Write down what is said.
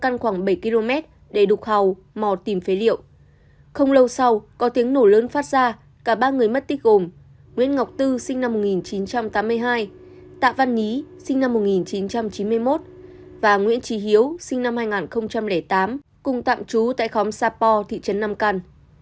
nguyễn ngọc tư sinh năm một nghìn chín trăm tám mươi hai tạ văn nhí sinh năm một nghìn chín trăm chín mươi một và nguyễn trí hiếu sinh năm hai nghìn tám cùng tạm trú tại khóm sà po thị trấn nam căn